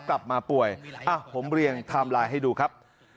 กลับมาป่วยผมเรียงไทม์ไลน์ให้ดูครับ